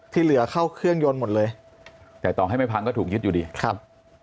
ที่เหลือเข้าเครื่องยนต์หมดเลยแต่ต่อให้ไม่พังก็ถูกยึดอยู่ดีครับ